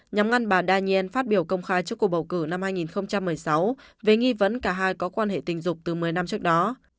nhằm ngăn bà daniel phát biểu công khai trước cuộc bầu cử năm hai nghìn một mươi sáu về nghi vấn cả hai có quan hệ tình dục từ một mươi năm trước đó